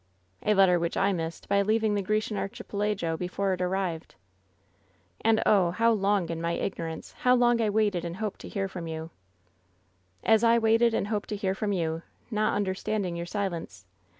" *A letter which I missed by leaving the Grecian Archipelago before it arrived.' «0« WHEN SHADOWS DIE " *And, oh, how long, in my ignorance — ^how long I waited and hoped to hear from yon I' " ^As I waited and hoped to hear from yon — not understanding yonr silence.